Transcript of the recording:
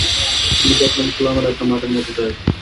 আমি দেখলাম খোলামেলা একটা মাঠের মতো জায়গা।